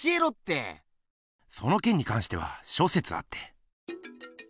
そのけんに関しては諸説あって。